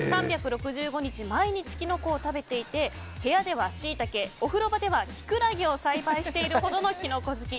３６５日、毎日キノコを食べていて部屋ではシイタケ、お風呂場ではキクラゲを栽培しているほどのキノコ好き。